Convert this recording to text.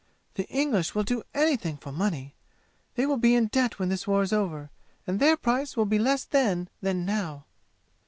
The English will do anything for money! They will be in debt when this war is over, and their price will be less then than now!"